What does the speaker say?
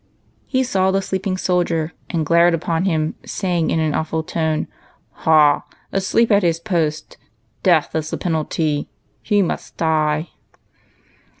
He saw the sleeping soldier and glared upon him, saying in an awful tone, — "Ha! asleep at his post! Death is the penalty, — he must die